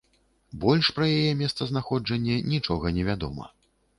Больш пра яе месцазнаходжанне нічога не вядома.